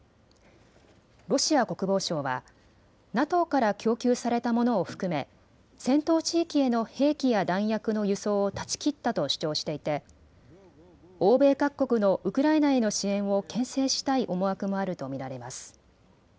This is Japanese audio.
ロシア国防省はＮＡＴＯから供給されたものを含め戦闘地域への兵器や弾薬の輸送を断ち切ったと主張していて欧米各国のウクライナへの支援をけん制したい思惑もあると見られます。